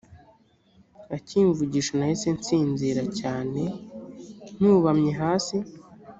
akimvugisha nahise nsinzira cyane ncyubamye hasi